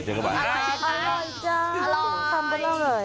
เจอกันบ่อยเจอกันบ่อย